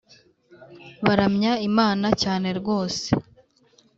baramya Imana cyane rwose